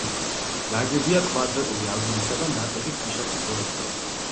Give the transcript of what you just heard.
ნაგებია კვადრატული აგურისა და ნატეხი ქვიშაქვის მონაცვლეობით.